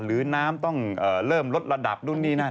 หรือน้ำต้องลดระดับดูนดีนั่น